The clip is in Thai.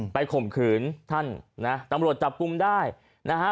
ข่มขืนท่านนะตำรวจจับกลุ่มได้นะฮะ